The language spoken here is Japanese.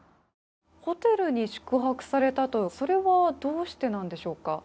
ホテルに宿泊されたと、それはどうしてなんでしょうか。